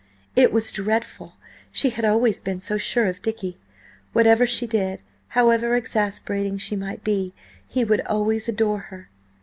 It was dreadful: she had always been so sure of Dicky! Whatever she did, however exasperating she might be, he would always adore her.